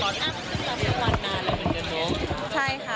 พี่อั๊มสำหรับเวลานานเหมือนกันเนอะใช่ไหมคะใช่ค่ะ